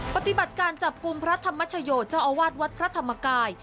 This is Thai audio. ปฏิบัติการจับกลุ่มพระธรรมชโยเจ้าอาวาสวัดพระธรรมกาย